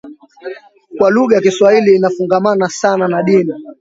kuwa lugha ya Kiswahili inafungamana sana na dini